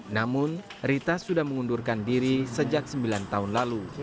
namun rita sudah mengundurkan diri sejak sembilan tahun lalu